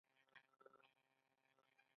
لمر څنګه راخیږي؟